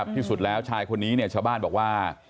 ที่สุดแล้วชายคนนี้ชาวบ้านบอกว่า